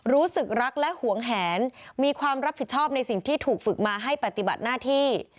รู้สึกรักและหวงแหนมีความรับผิดชอบในสิ่งที่ถูกฝึกมาให้ปฏิบัติหน้าที่